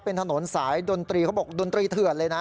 เป็นถนนสายดนตรีเขาบอกดนตรีเถื่อนเลยนะ